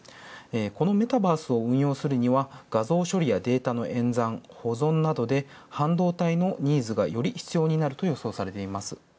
このメタバースを運用するには画像処理やえんざん、保存などで半導体のニーズがより必要になると予想されています。